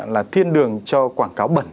là thiên đường cho quảng cáo bẩn